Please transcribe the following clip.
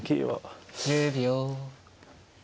１０秒。